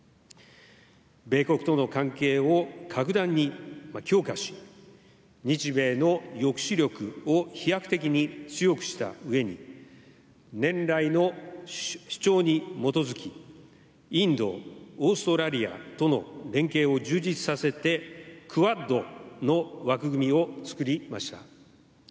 米国との関係を格段に強化し日米の抑止力を飛躍的に強くしたうえに年来の主張に基づきインド、オーストラリアとの連携を充実させてクアッドの枠組みを作りました。